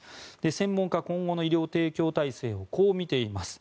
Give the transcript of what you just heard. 専門家、今後の医療提供体制をこう見ています。